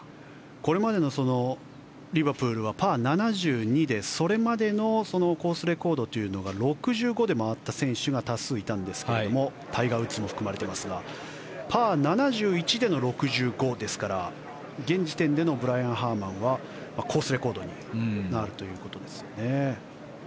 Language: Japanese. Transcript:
これまでのリバプールはパー７２でそれまでのコースレコードというのが６５で回った選手が多数いたんですがタイガー・ウッズも含まれてますがパー７１での６５ですから現時点でのブライアン・ハーマンはコースレコードになるということです。